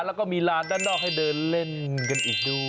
แล้วก็มีลานด้านนอกให้เดินเล่นกันอีกด้วย